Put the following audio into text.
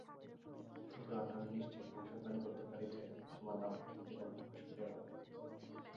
সুতরাং আমি নিশ্চিত ভবিষ্যদ্বাণী করতে পারি যে, তোমার দাম্পত্য-জীবন খুব সুখের হবে।